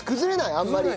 あんまり。